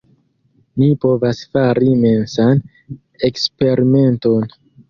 Ni povas fari mensan eksperimenton.